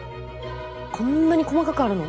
こんなに細かくあるの？